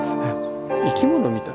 生き物みたい。